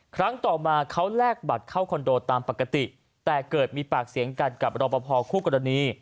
ครั้งต่อมาเขาแลกบัตรเข้าคอนโดตามปกติแต่เกิดมีปากเสียงกันกับรอปภคู่กรณี